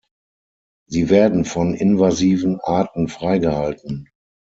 Sie werden von invasiven Arten freigehalten.